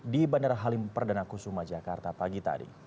di bandara halim perdanaku sumajakarta pagi tadi